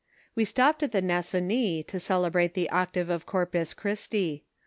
We stopped at the Nassonis to celebrate the octave of Corpus Chi'isti.